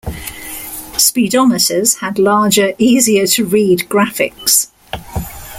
Speedometers had larger, easier-to-read graphics.